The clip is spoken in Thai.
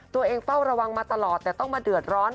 เฝ้าระวังมาตลอดแต่ต้องมาเดือดร้อน